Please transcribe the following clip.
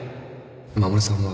衛さんは